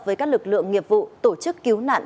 với các lực lượng nghiệp vụ tổ chức cứu nạn